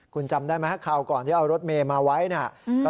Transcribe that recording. คุณจำได้มั้ยคราวก่อนเอารถเมฆมาไว้เนี่ยก็โดนโจมตีเหมือนกัน